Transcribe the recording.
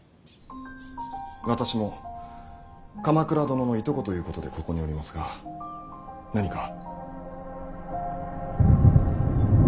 私も鎌倉殿のいとこということでここにおりますが何か。